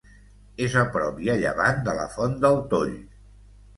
És a prop i a llevant de la Font del Toll.